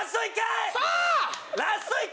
ラスト１回！